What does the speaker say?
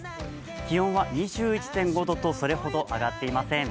気温は２１．５度とそれほど上がっていません。